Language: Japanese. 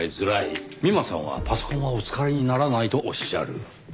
美馬さんはパソコンはお使いにならないとおっしゃる。